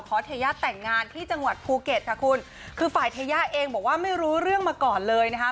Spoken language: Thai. เทยะแต่งงานที่จังหวัดภูเก็ตค่ะคุณคือฝ่ายเทยะเองบอกว่าไม่รู้เรื่องมาก่อนเลยนะคะ